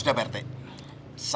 untuk menjaga kemampuan saya